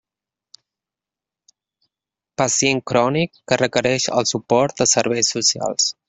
Pacient crònic que requereix el suport de serveis socials.